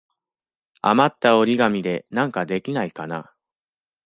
あまった折り紙でなんかできないかな。